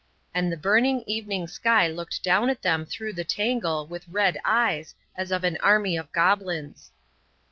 And the burning evening sky looked down at them through the tangle with red eyes as of an army of goblins.